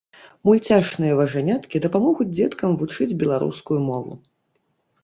Мульцяшныя важаняткі дапамогуць дзеткам вучыць беларускую мову.